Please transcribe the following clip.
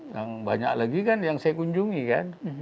yang banyak lagi kan yang saya kunjungi kan